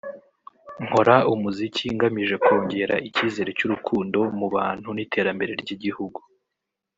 "Nkora umuziki ngamije kongera icyizere cy'urukundo mu bantu n'iterambere ry'igihugu